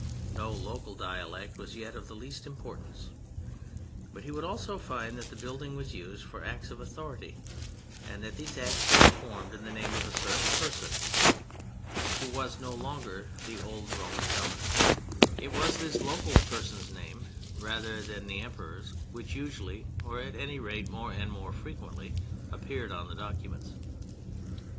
No local dialect was yet of the least importance. But he would also find that the building was used for acts of authority, and that these acts were performed in the name of a certain person (who was no longer the old Roman Governor) and his Council. It was this local person's name, rather than the Emperor's, which usually—or at any rate more and more frequently—appeared on the documents.